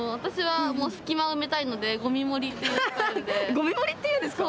ゴミ盛りっていうんですか？